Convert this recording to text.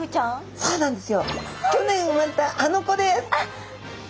そうなんですよ。